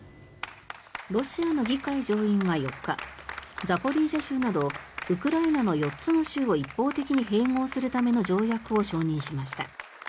ロシアの議会上院は４日ザポリージャ州などウクライナの４つの州を一方的に併合するための条約を承認しました。